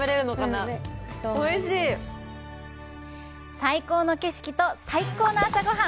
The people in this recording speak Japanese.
最高の景色と最高の朝ごはん！